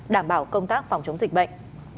đảm bảo công tác phòng chống dịch bệnh